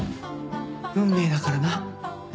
運命だからな。